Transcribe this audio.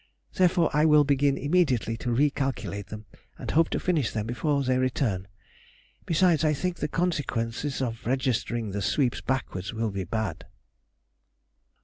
Therefore I will begin immediately to recalculate them, and hope to finish them before they return. Besides, I think the consequences of registering the sweeps backwards will be bad. [Sidenote: 1786.